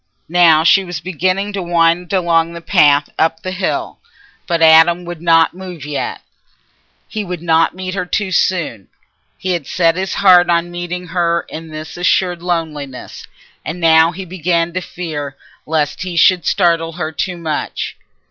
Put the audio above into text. Now she was beginning to wind along the path up the hill, but Adam would not move yet; he would not meet her too soon; he had set his heart on meeting her in this assured loneliness. And now he began to fear lest he should startle her too much.